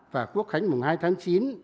và quốc khánh mùng hai tháng chín